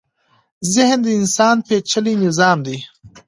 ذهن د انسان پېچلی نظام دی.